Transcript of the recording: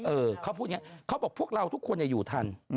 เออเขาพูดอย่างนี้เขาบอกพวกเราทุกคนอยู่ทัน